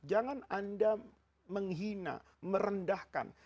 jangan anda menghina merendahkan